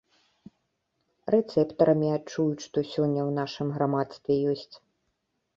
Рэцэптарамі адчуць, што сёння ў нашым грамадстве ёсць.